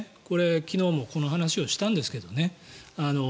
これ、昨日もこの話をしたんですけどね。